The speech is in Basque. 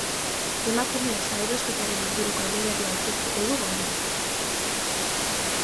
Emakumeen salerosketaren inguruko eleberria aurkeztuko du gonbidatuak.